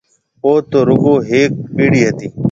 اوٿ تو رُگو ھيَََڪ ٻيڙِي ھتِي۔